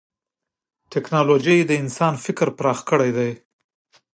ټکنالوجي د انسان فکر پراخ کړی دی.